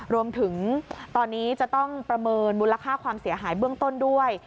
รวมถึงตอนนี้จะต้องประเมินมูลค่าความเสียหายเบื้องต้นด้วย